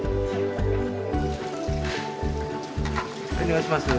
はいお願いします。